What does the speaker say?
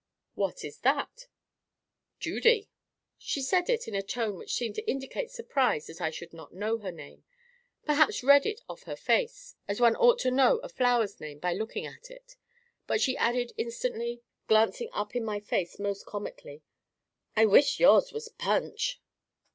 "What is that?" "Judy." She said it in a tone which seemed to indicate surprise that I should not know her name—perhaps read it off her face, as one ought to know a flower's name by looking at it. But she added instantly, glancing up in my face most comically— "I wish yours was Punch."